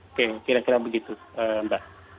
oke kira kira begitu mbak